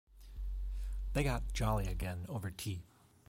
They got jolly again over tea.